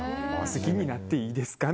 好きになっていいですか？